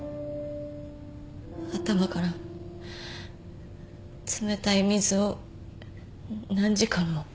頭から冷たい水を何時間も。